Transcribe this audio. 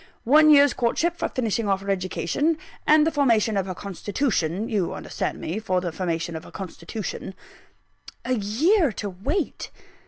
One year's courtship for the finishing off of her education, and the formation of her constitution you understand me, for the formation of her constitution." A year to wait!